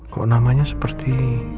kok namanya seperti